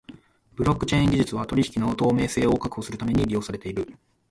ブロックチェーン技術は取引の透明性を確保するために利用されている。